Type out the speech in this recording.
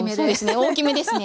大きめですね。